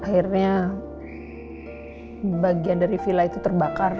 akhirnya bagian dari villa itu terbakar